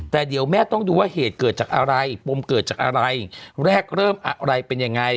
แต่เดี๋ยวแม่ต้องดูว่าเหตุเกิดจากอะไรปมเกิดจากอะไรแรกเริ่มอะไรเป็นยังไง